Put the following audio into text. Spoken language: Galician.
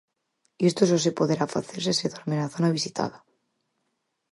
Isto só se poderá facer se se dorme na zona visitada.